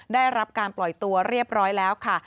ได้รับการปล่อยตัวเรียบร้อยแล้วค่ะ